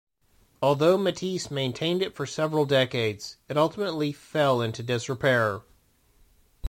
Although Matisse maintained it for several decades, it ultimately fell into disrepair.